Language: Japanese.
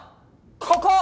ここ！